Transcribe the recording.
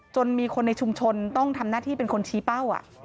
มีคนในชุมชนต้องทำหน้าที่เป็นคนชี้เป้า